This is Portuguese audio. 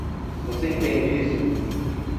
Você entende isso?